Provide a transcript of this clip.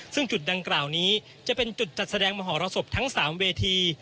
ซึ่งจุดดังกล่าวนี้จะเป็นจุดจัดแสดงมหรสบทั้ง๓เวที